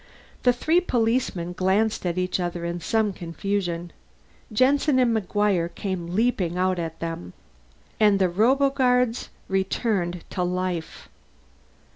The three policemen glanced at each other in some confusion. Jensen and McGuire came leaping out at them And the roboguards returned to life.